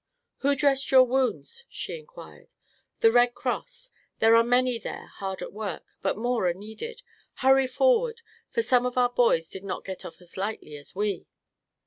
"Who dressed your wounds?" she inquired. "The Red Cross. There are many there, hard at work; but more are needed. Hurry forward, for some of our boys did not get off as lightly as we."